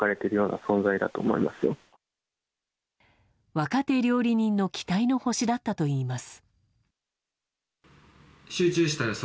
若手料理人の期待の星だったといいます。